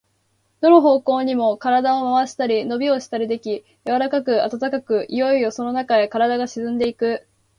どの方向にも身体を廻したり、のびをしたりでき、柔かく暖かく、いよいよそのなかへ身体が沈んでいく。